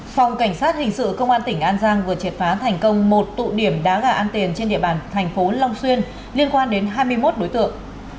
phòng cảnh sát hình sự công an tỉnh an giang vừa triệt phá thành công một tụ điểm đá gà ăn tiền trên địa bàn thành phố long xuyên liên quan đến hai mươi một đối tượng